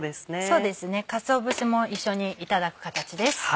そうですねかつお節も一緒にいただく形です。